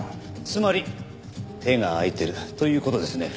つまり手が空いてるという事ですね。